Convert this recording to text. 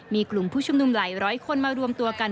มีกลุ่มผู้ชุมนุมหลายร้อยคนมารวมตัวกัน